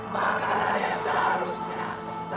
makanan yang seharusnya